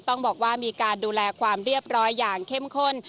ต้องบอกว่ามีการดูแลความเรียบร้อยอย่างเข้มข้น